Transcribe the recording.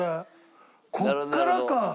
ここからか。